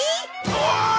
おい！